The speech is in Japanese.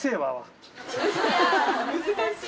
難しい？